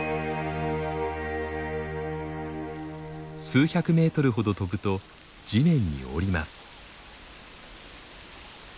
数百メートルほど飛ぶと地面に降ります。